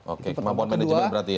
oke kemampuan manajemen berarti ya